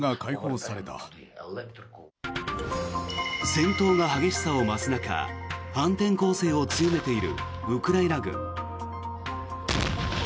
戦闘が激しさを増す中反転攻勢を強めているウクライナ軍。